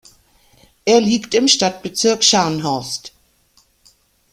Er liegt im Stadtbezirk Scharnhorst.